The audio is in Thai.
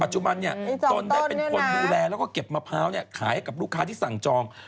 จุบันตนได้เป็นคนดูแลแล้วก็เก็บมะพร้าวขายให้กับลูกค้าที่สั่งจอง